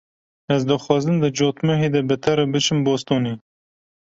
Ez dixwazim di cotmehê de bi te re biçim Bostonê.